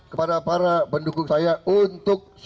supaya kebohonan tersebut bisa dilakukan